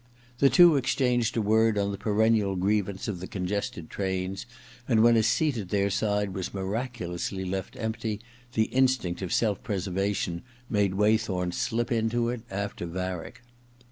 The two exchanged a word on the perennial grievance of the con 48 II THE OTHER TWO 49 gested trains, and when a seat at their side was miraculously left empty the instinct of self preservation made Waythorn slip into it after Varick.